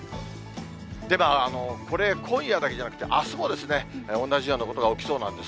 でも、これ、今夜だけじゃなくて、あすもですね、同じようなことが起きそうなんです。